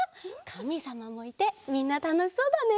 かみさまもいてみんなたのしそうだね。